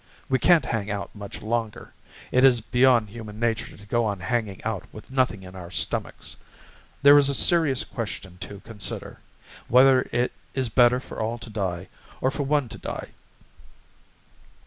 We can't hang out much longer. It is beyond human nature to go on hanging out with nothing in our stomachs. There is a serious question to consider: whether it is better for all to die, or for one to die.